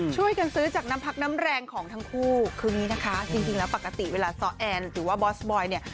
ช่วยกันซื้อจากน้ำพักน้ำแรงของทั้งคู่คืออย่างนี้นะคะจริงแล้วปกติเวลาซ้อแอนหรือว่าบอสบอยเนี่ย